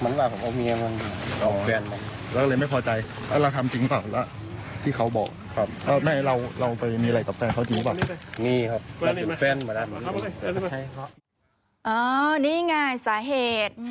นี่ไงสาเหตุ